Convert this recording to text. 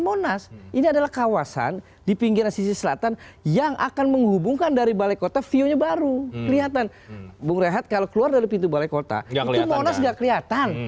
monas ini adalah kawasan di pinggiran sisi selatan yang akan menghubungkan dari balai kota view nya baru kelihatan bung rehat kalau keluar dari pintu balai kota itu monas nggak kelihatan